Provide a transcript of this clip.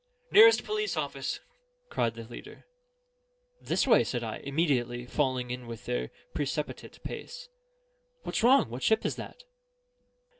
"Nearest police office!" cried the leader. "This way," said I, immediately falling in with their precipitate pace. "What's wrong? What ship is that?"